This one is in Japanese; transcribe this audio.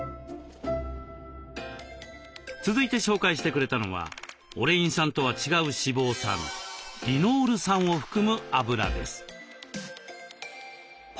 続いて紹介してくれたのはオレイン酸とは違う脂肪酸リノール酸を含むあぶらです。